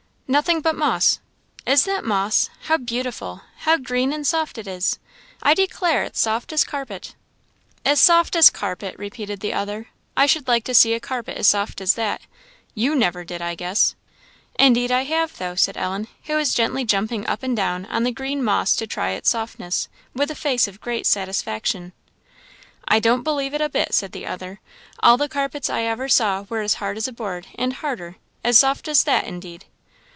"Nothing but moss." "Is that moss! How beautiful! how green and soft it is! I declare it's as soft as a carpet." "As soft as a carpet!" repeated the other. "I should like to see a carpet as soft as that! you never did, I guess." "Indeed I have, though," said Ellen, who was gently jumping up and down on the green moss to try its softness, with a face of great satisfaction. "I don't believe it a bit," said the other; "all the carpets I ever saw were as hard as a board, and harder; as soft as that, indeed!"